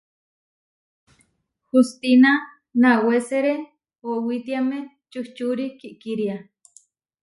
Hustína nawésere owítiame čuhčúri kiʼkiria.